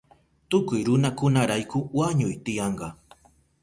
Tukuy runakunarayku wañuy tiyanka.